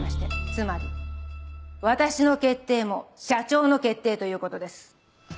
つまり私の決定も社長の決定ということです。